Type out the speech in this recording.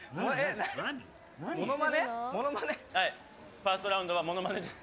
ファーストラウンドはモノマネです。